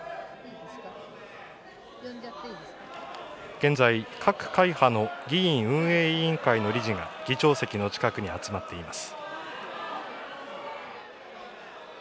現在、各会派の議院運営委員会の理事が、議長席の近くに集まっています。